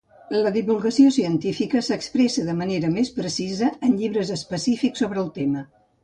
La divulgació científica s'expressa de manera més precisa en llibres específics sobre un tema.